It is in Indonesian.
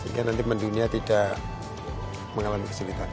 sehingga nanti mendunia tidak mengalami kesulitan